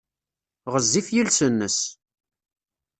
Ɣezzif yiles-nnes.